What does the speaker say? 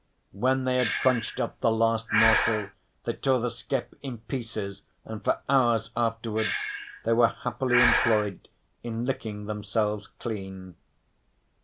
When they had crunched up the last morsel they tore the skep in pieces, and for hours afterwards they were happily employed in licking themselves clean.